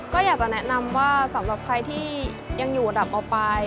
ก็อยากจะแนะนำว่าสำหรับใครที่ยังอยู่อันดับต่อไป